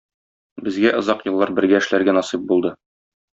Безгә озак еллар бергә эшләргә насыйп булды.